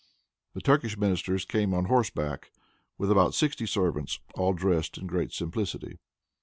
The Turkish ministers came on horseback, with about sixty servants, all dressed in great simplicity.